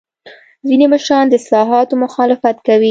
ځینې مشران د اصلاحاتو مخالفت کوي.